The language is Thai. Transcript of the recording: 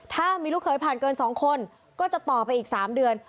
ถ้ามีลูกเขยผ่านเกิน๒คนก็จะต่อไปอีก๓เดือน